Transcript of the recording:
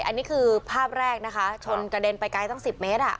อันนี้คือภาพแรกนะคะชนกระเด็นไปไกลตั้ง๑๐เมตร